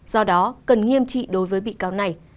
do đó cần nghiêm trị đối với bị cáo này